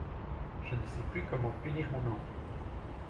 Je ne sais plus comment punir mon enfant.